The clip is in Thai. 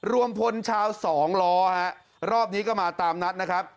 รวมพลชาวสองล้อฮะรอบนี้ก็มาตามนัดนะครับ